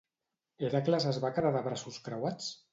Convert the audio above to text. Hèracles es va quedar de braços creuats?